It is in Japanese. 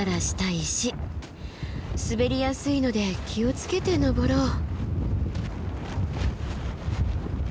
滑りやすいので気を付けて登ろう。